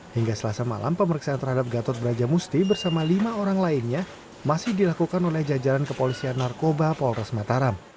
hingga selasa malam pemeriksaan terhadap gatot brajamusti bersama lima orang lainnya masih dilakukan oleh jajaran kepolisian narkoba polres mataram